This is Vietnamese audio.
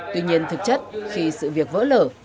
tuy nhiên thực chất khi sự việc vỡ lở